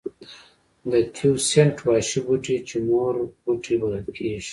د تیوسینټ وحشي بوټی چې مور بوټی بلل کېږي.